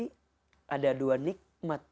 jadi ada dua nikmat